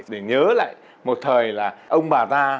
để nhớ lại một thời là ông bà ta